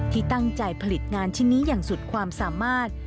ที่ตั้งใจผลิตงานชนิยังสุดความสามารถ